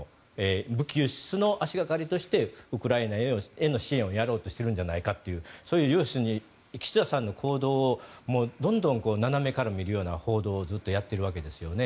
武器輸出の足掛かりとしてウクライナへの支援をやろうとしているのではというそういう、岸田さんの行動をどんどん斜めから見るような報道をずっとやっているわけですよね。